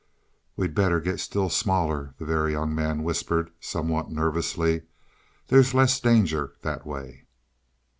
"We'd better get still smaller," the Very Young Man whispered somewhat nervously. "There's less danger that way."